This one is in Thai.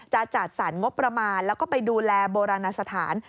จัดสรรงบประมาณแล้วก็ไปดูแลโบราณสถาน